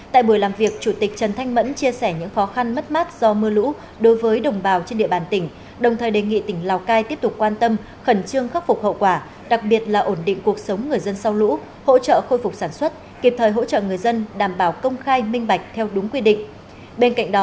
tại buổi làm việc chủ tịch trần thanh mẫn chia sẻ những khó khăn mất mát do mưa lũ đối với đồng bào trên địa bàn tỉnh đồng thời đề nghị tỉnh lào cai tiếp tục quan tâm khẩn trương khắc phục hậu quả đặc biệt là ổn định cuộc sống người dân sau lũ hỗ trợ khôi phục sản xuất kịp thời hỗ trợ người dân đảm bảo công khai minh bạch theo đúng quy định